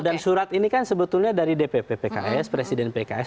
dan surat ini kan sebetulnya dari dpp pks presiden pks